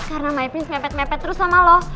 karena my prince mempet mepet terus sama lo